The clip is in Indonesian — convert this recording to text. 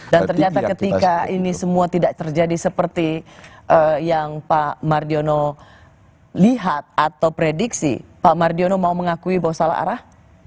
dan ternyata ketika ini semua tidak terjadi seperti yang pak mariono lihat atau prediksi pak mariono mau mengakui bahwa salah arah